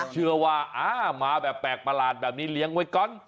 เชื่อว่ามาแบบแปลกประหลาดแบบนี้เลี้ยงไว้ก่อน